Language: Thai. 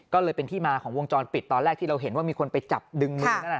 ก็เลยเป็นที่มาของวงจรปิดตอนแรกที่เราเห็นว่ามีคนไปจับดึงมือนั่นน่ะ